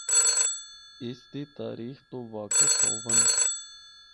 اس دی تاریخ تو واقف ہوّن۔